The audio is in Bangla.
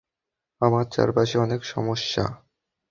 আমার চারপাশে অনেক সমস্যা।